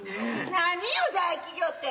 何よ大企業って。